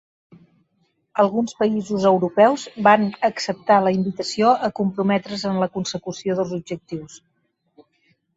Alguns països europeus van acceptar la invitació a comprometre's en la consecució dels objectius